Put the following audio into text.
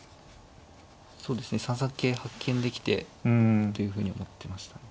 そうですね３三桂発見できてというふうに思ってましたね。